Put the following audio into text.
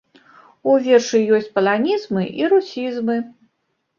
У вершы ёсць паланізмы і русізмы.